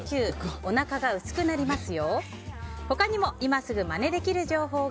おなかが薄くなりますよ。